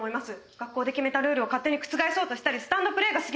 学校で決めたルールを勝手に覆そうとしたりスタンドプレーが過ぎます！